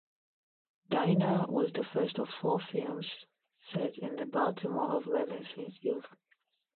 "Diner" was the first of four films set in the Baltimore of Levinson's youth.